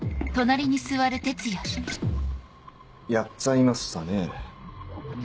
やっちゃいましたね。